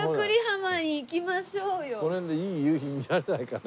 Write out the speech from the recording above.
この辺でいい夕日見られないかね？